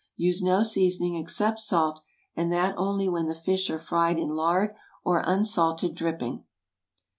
Use no seasoning except salt, and that only when the fish are fried in lard or unsalted dripping.